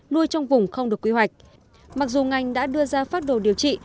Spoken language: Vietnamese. nuôi trong vùng không được quy hoạch mặc dù ngành đã đưa ra phát đồ điều trị